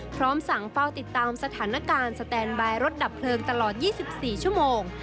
พร้อมสั่งเฝ้าติดตามสถานการณ์สแตนบายรถดับเพลิงตลอด๒๔ชั่วโมง